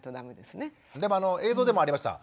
でも映像でもありました。